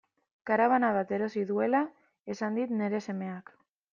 Karabana bat erosi duela esan dit nire semeak.